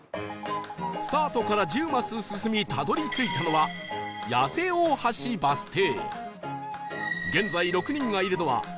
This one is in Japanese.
スタートから１０マス進みたどり着いたのは八瀬大橋バス停